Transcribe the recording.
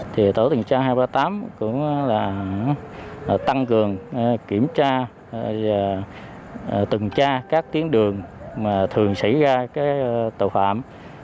thì tổ tình tra hai trăm ba mươi tám cũng là tăng cường kiểm tra và tình tra các tiến đường mà thường xảy ra tội phạm